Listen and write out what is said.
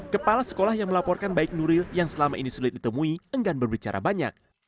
kepala sekolah yang melaporkan baik nuril yang selama ini sulit ditemui enggan berbicara banyak